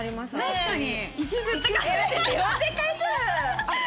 確かに。